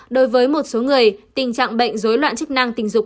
đối với một số người tình trạng bệnh dối loạn chức năng tình dục